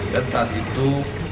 dan saat itu